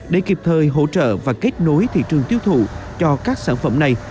để kịp thời hỗ trợ và kết nối thị trường tiêu thụ cho các sản phẩm này